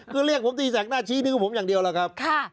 คือเรียกผมตีแสกหน้าชี้นิ้วผมอย่างเดียวล่ะครับ